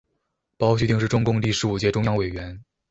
包叙定是中共第十五届中央委员。